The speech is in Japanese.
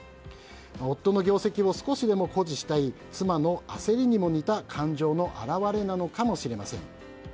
夫の業績を少しでも誇示したい妻の焦りにも似た感情の表れなのかもしれません。